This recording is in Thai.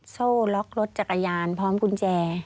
โซ่ล็อกรถจักรยานพร้อมกุญแจ